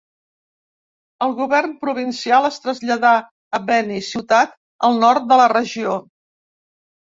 El govern provincial es traslladà a Beni, ciutat al nord de la regió.